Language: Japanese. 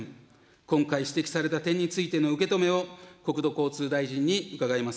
今回指摘された点についての受け止めを国土交通大臣に伺います。